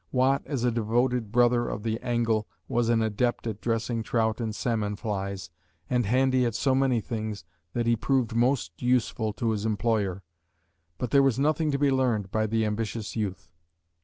Watt, as a devoted brother of the angle, was an adept at dressing trout and salmon flies, and handy at so many things that he proved most useful to his employer, but there was nothing to be learned by the ambitious youth.